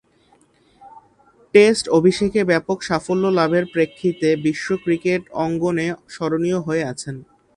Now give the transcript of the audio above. Test অভিষেকে ব্যাপক সাফল্য লাভের প্রেক্ষিতে বিশ্ব ক্রিকেট অঙ্গনে স্মরণীয় হয়ে আছেন।